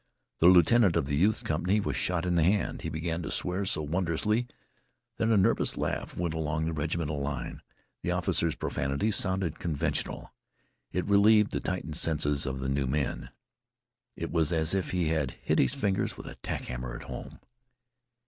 The lieutenant of the youth's company was shot in the hand. He began to swear so wondrously that a nervous laugh went along the regimental line. The officer's profanity sounded conventional. It relieved the tightened senses of the new men. It was as if he had hit his fingers with a tack hammer at home.